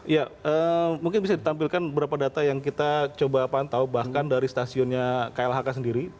ya mungkin bisa ditampilkan berapa data yang kita coba pantau bahkan dari stasiunnya klhk sendiri